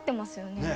ねえ。